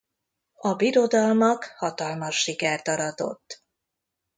A Birodalmak hatalmas sikert aratott.